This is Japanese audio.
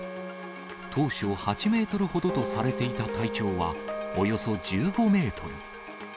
当初８メートルほどとされていた体長はおよそ１５メートル。